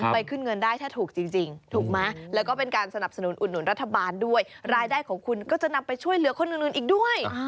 ขึ้นเงินได้ถ้าถูกจริงถูกไหมแล้วก็เป็นการสนับสนุนอุดหนุนรัฐบาลด้วยรายได้ของคุณก็จะนำไปช่วยเหลือคนอื่นอีกด้วย